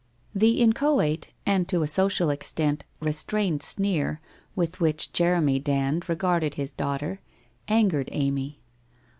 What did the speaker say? The inchoate, and to a social extent, restrained sneer with which Jeremy Dand regarded his daughter, angered Amy.